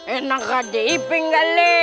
enak aja diuping kali